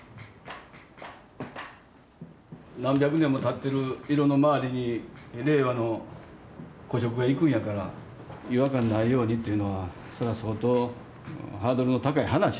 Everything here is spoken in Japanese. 何百年もたってる色の周りに令和の古色がいくんやから違和感ないようにというのはそれは相当ハードルの高い話やけどね。